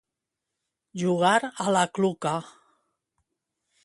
Jugar a la cluca.